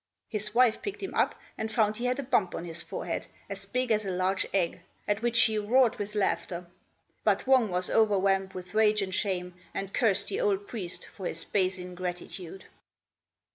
His wife picked him up and found he had a bump on his forehead as big as a large egg, at which she roared with laughter; but Wang was overwhelmed with rage and shame, and cursed the old priest for his base ingratitude.